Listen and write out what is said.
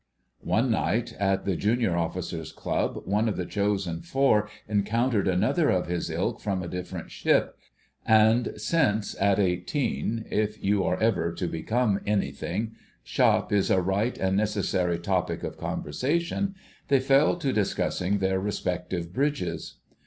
One night at the Junior Officers' Club one of the Chosen Four encountered another of his ilk from a different ship: and, since at eighteen (if you are ever to become anything) shop is a right and necessary topic of conversation, they fell to discussing their respective bridges.